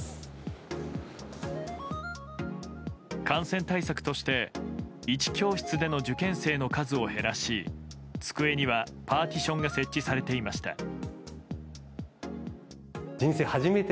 感染対策として１教室での受験生の数を減らし机にはパーティションが設置されていました。